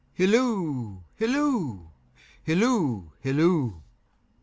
Hilloo, hilloo, hilloo, hilloo!